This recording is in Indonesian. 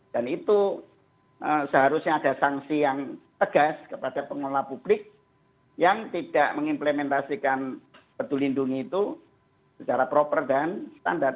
dan itu seharusnya ada sanksi yang tegas kepada pengelola publik yang tidak mengimplementasikan pedulindungi itu secara proper dan standar